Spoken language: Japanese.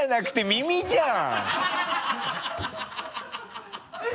耳じゃん！